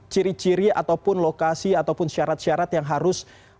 ciri ciri ataupun lokasi ataupun syarat syarat yang harus